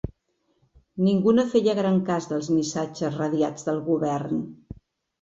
Ningú no feia gran cas dels missatges radiats del Govern